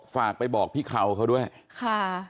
ฝากไปบอกพี่เคราวเขาด้วยค่ะ